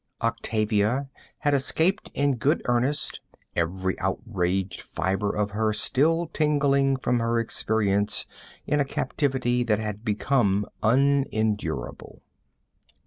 Octavia had escaped in good earnest, every outraged fiber of her still tingling from her experience in a captivity that had become unendurable.